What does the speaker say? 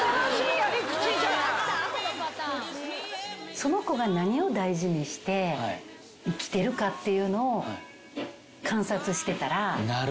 その子が何を大事にして生きてるかっていうのを観察してたら。